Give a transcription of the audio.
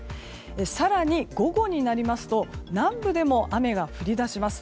更に午後になりますと南部でも雨が降り出します。